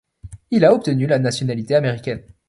Il a obtenu la nationalité américaine.